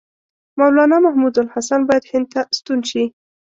مولنا محمودالحسن باید هند ته ستون شي.